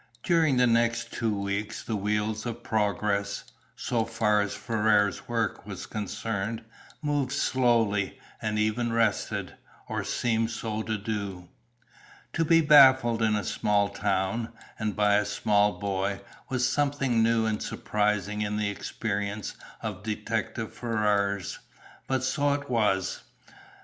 During the next two weeks the wheels of progress, so far as Ferrars' work was concerned, moved slowly, and even rested, or seemed so to do. To be baffled in a small town, and by a small boy, was something new and surprising in the experience of detective Ferrars, but so it was.